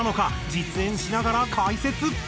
実演しながら解説！